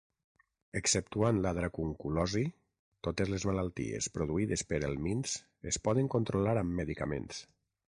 Exceptuant la dracunculosi, totes les malalties produïdes per helmints es poden controlar amb medicaments.